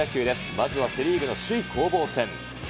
まずはセ・リーグの首位攻防戦。